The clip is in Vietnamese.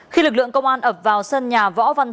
khi lực lượng công an ập vào sân nhà võ văn